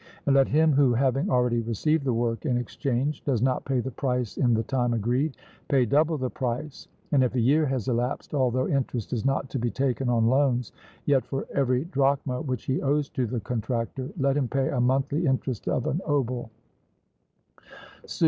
And let him who, having already received the work in exchange, does not pay the price in the time agreed, pay double the price; and if a year has elapsed, although interest is not to be taken on loans, yet for every drachma which he owes to the contractor let him pay a monthly interest of an obol.